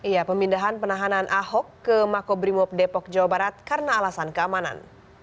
iya pemindahan penahanan ahok ke makobrimob depok jawa barat karena alasan keamanan